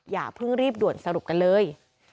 อย่าเพิ่งรีบด่วนสรุปกันเลย